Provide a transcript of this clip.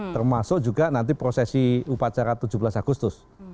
termasuk juga nanti prosesi upacara tujuh belas agustus